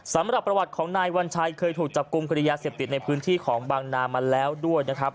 สำหรับประวัติของนายวัญชัยเคยถูกจับกลุ่มคดียาเสพติดในพื้นที่ของบางนามาแล้วด้วยนะครับ